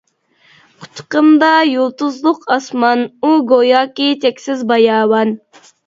قۇچىقىمدا يۇلتۇزلۇق ئاسمان، ئۇ گوياكى چەكسىز باياۋان.